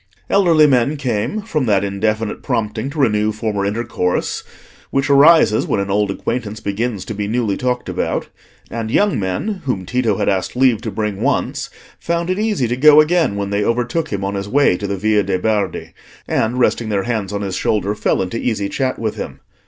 Elderly men came from that indefinite prompting to renew former intercourse which arises when an old acquaintance begins to be newly talked about; and young men whom Tito had asked leave to bring once, found it easy to go again when they overtook him on his way to the Via de' Bardi, and, resting their hands on his shoulder, fell into easy chat with him.